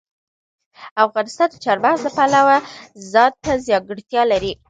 افغانستان د چار مغز د پلوه ځانته ځانګړتیا لري.